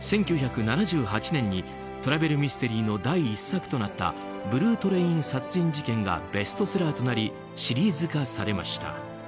１９７８年にトラベルミステリーの第１作となった「寝台特急殺人事件」がベストセラーとなりシリーズ化されました。